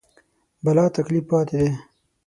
بلاتکلیف پاتې دي.